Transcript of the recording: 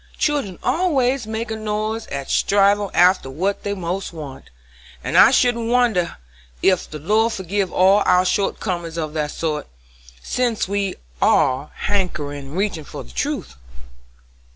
Children always make a noise a strivin' after what they want most, and I shouldn't wonder ef the Lord forgive all our short comin's of that sort, sense we are hankerin' and reachin' for the truth."